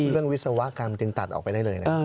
วิศวกรรมจึงตัดออกไปได้เลยนะ